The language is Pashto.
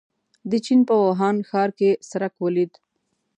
د چين په ووهان ښار کې څرک ولګېد.